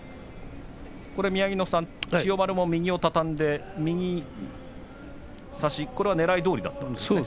宮城野さん、千代丸も右を畳んで右差し、ねらいどおりだったんですね。